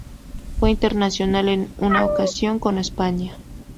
Fue internacional en una ocasión con España.